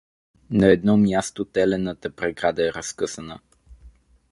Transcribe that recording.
На едно място телената преграда е разкъсана.